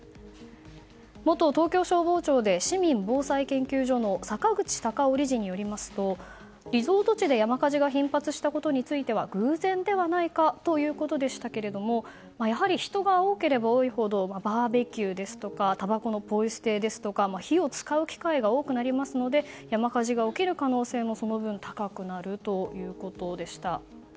元東京消防庁で市民防災研究所の坂口隆夫理事によりますとリゾート地で山火事が頻発したことについては偶然ではないかということでしたがやはり人が多ければ多いほどバーベキューですとかたばこのポイ捨てですとか火を使う機会が多くなりますので山火事が起きる可能性もその分高くなるということでした。